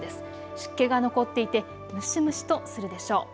湿気が残っていて蒸し蒸しとするでしょう。